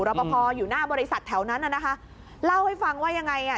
รอปภอยู่หน้าบริษัทแถวนั้นน่ะนะคะเล่าให้ฟังว่ายังไงอ่ะ